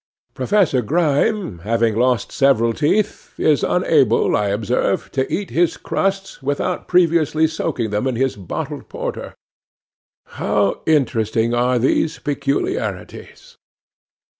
Professor Grime having lost several teeth, is unable, I observe, to eat his crusts without previously soaking them in his bottled porter. How interesting are these peculiarities!